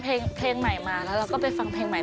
เพลงใหม่มาแล้วเราก็ไปฟังเพลงใหม่